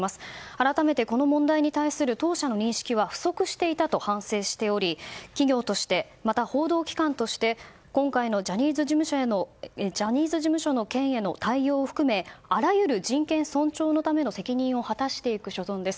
改めて、この問題に対する当社の認識は不足していたと反省しており企業としてまた、報道機関として今回のジャニーズ事務所の件への対応を含めあらゆる人権尊重のための責任を果たしていく所存です。